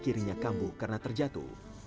kirinya kampuh karena terjatuh